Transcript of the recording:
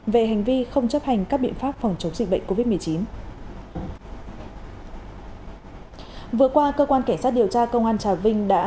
về hành vi không chấp hành các biện pháp phòng chống dịch bệnh covid một mươi chín